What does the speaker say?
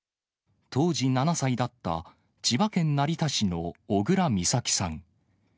当時７歳だった、千葉県成田市の小倉美咲さん。